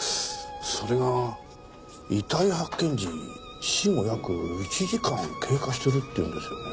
それが遺体発見時死後約１時間経過してるって言うんですよね。